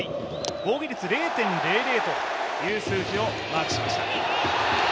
防御率０．００という数字をマークしました。